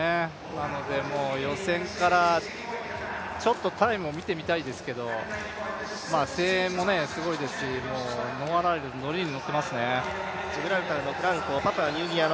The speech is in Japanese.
なので、予選からタイムを見てみたいですけど、声援もすごいですし、ノア・ライルズ、乗りに乗ってますね。